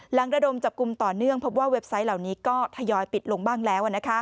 ระดมจับกลุ่มต่อเนื่องพบว่าเว็บไซต์เหล่านี้ก็ทยอยปิดลงบ้างแล้ว